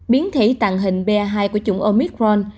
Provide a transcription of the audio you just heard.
biến thể tàng hình ba hai của chủng omicron